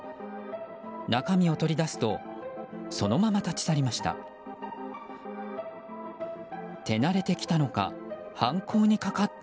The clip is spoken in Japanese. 中身を取り出すとそのまま立ち去りました。